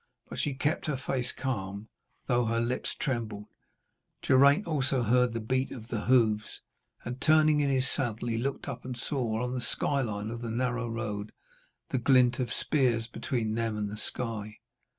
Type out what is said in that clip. But she kept her face calm, though her lips trembled, Geraint also heard the beat of the hoofs, and turning in his saddle he looked up, and saw on the skyline of the narrow road the glint of spears between them and the sky.